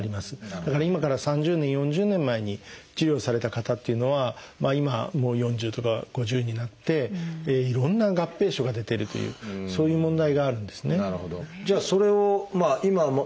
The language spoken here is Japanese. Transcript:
だから今から３０年４０年前に治療された方っていうのは今もう４０とか５０になっていろんな合併症が出てるというそういう問題があるんですね。